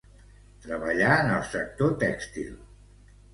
Treballà en el sector tèxtil.